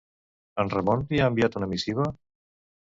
En Ramon li ha enviat una missiva?